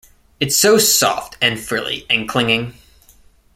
It’s so soft and frilly and clinging.